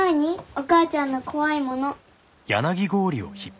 お母ちゃんの怖いもの。